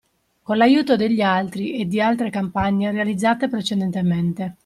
Con l’aiuto degli altri e di altre campagne realizzate precedentemente.